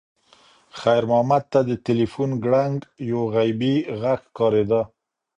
خیر محمد ته د تلیفون ګړنګ یو غیبي غږ ښکارېده.